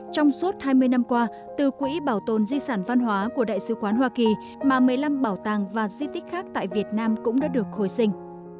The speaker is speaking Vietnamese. trong suốt hai mươi năm qua từ quỹ bảo tồn di sản văn hóa của đại sứ quán hoa kỳ mà một mươi năm bảo tàng và di tích khác tại việt nam cũng đã được hồi sinh